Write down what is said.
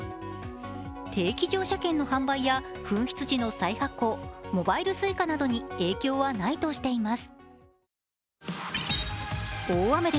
定期乗車券の販売や紛失時の再発行、モバイルＳｕｉｃａなどに影響はないとしています。